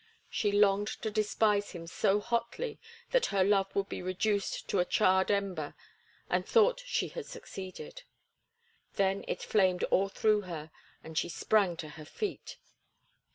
She longed to despise him so hotly that her love would be reduced to a charred ember, and thought she had succeeded; then it flamed all through her, and she sprang to her feet.